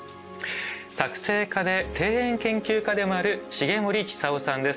作庭家で庭園研究家でもある重森千さんです。